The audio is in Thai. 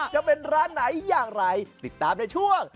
จะเป็นร้านไหนอย่างไรติดตามในช่วง